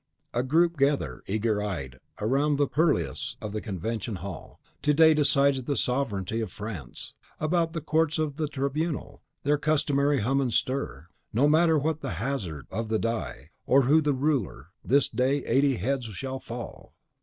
A group gather, eager eyed, round the purlieus of the Convention Hall; to day decides the sovereignty of France, about the courts of the Tribunal their customary hum and stir. No matter what the hazard of the die, or who the ruler, this day eighty heads shall fall!